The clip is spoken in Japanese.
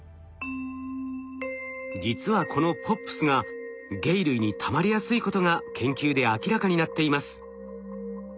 実はこのＰＯＰｓが鯨類にたまりやすいことが研究で明らかになっています。